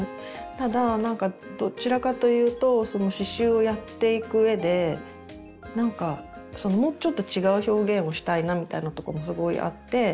ただなんかどちらかというと刺しゅうをやっていく上でなんかもうちょっと違う表現をしたいなみたいなとこもすごいあって。